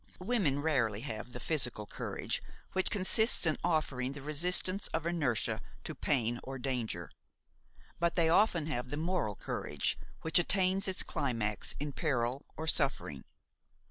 Women rarely have the physical courage which consists in offering the resistance of inertia to pain or danger; but they often have the moral courage which attains its climax in peril or suffering.